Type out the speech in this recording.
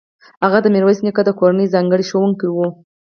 هغه د میرویس نیکه د کورنۍ ځانګړی ښوونکی و.